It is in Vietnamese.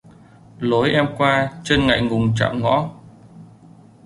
Lối em qua chân ngại ngùng chạm ngõ